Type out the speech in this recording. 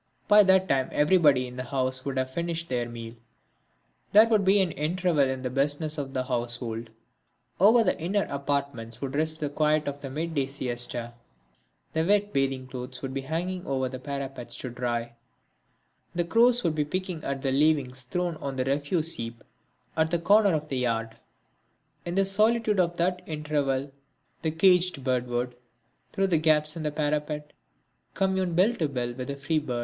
By that time everybody in the house would have finished their meal; there would be an interval in the business of the household; over the inner apartments would rest the quiet of the midday siesta; the wet bathing clothes would be hanging over the parapets to dry; the crows would be picking at the leavings thrown on the refuse heap at the corner of the yard; in the solitude of that interval the caged bird would, through the gaps in the parapet, commune bill to bill with the free bird!